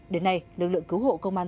đến nay lực lượng cứu hộ công an